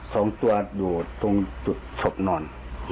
สองตัวอยู่ตรงจุดศพนอน